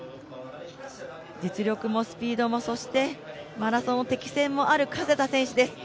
実力もスピードも、そしてマラソンの適性もある加世田選手です。